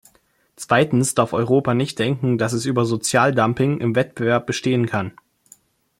Zweitens darf Europa nicht denken, dass es über Sozialdumping im Wettbewerb bestehen kann.